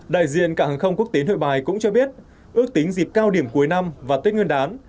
đại diện cảng hàng không quốc tế nội bài cũng cho biết ước tính dịp cao điểm cuối năm và tết nguyên đán